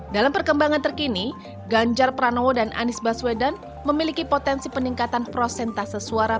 dalam perkembangan terkini ganjar pranowo dan anies baswedan memiliki potensi peningkatan prosentase suara